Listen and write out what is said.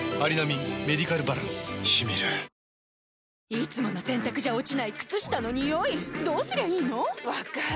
いつもの洗たくじゃ落ちない靴下のニオイどうすりゃいいの⁉分かる。